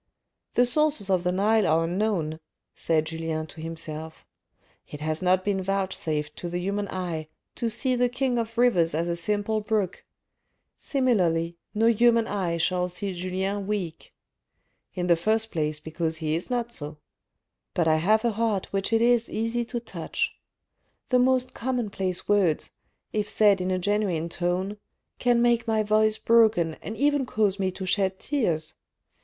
"The sources of the Nile are unknown," said Julien to himself :" it has not been vouchsafed to the human eye to see the king of rivers as a simple brook : similarly, no human eye shall see Julien weak. In the first place because he is not so. But I have a heart which it is easy to touch. The most commonplace words, if said in a genuine tone, can make my voice broken and even cause me to shed tears.